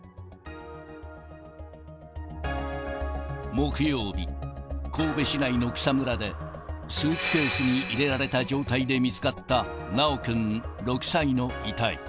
木曜日、神戸市内の草むらで、スーツケースに入れられた状態で見つかった修くん６歳の遺体。